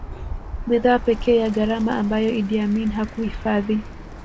Bidhaa pekee ya gharama ambayo Idi Amin hakuhifadhi